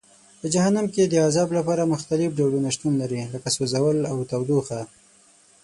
په جهنم کې د عذاب لپاره مختلف ډولونه شتون لري لکه سوځول او تودوخه.